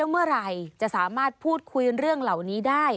เมื่อไหร่จะสามารถพูดคุยเรื่องเหล่านี้ได้